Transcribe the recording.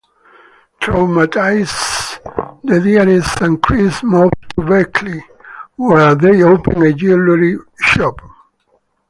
Traumatized, the diarist and Chris move to Berkeley where they open a jewelry shop.